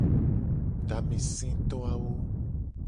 Tameseto awo.